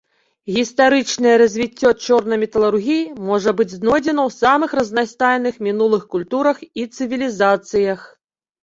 Гістарычнае развіццё чорнай металургіі можа быць знойдзена ў самых разнастайных мінулых культурах і цывілізацыях.